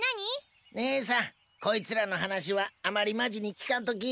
ねえさんこいつらの話はあまりマジに聞かんとき。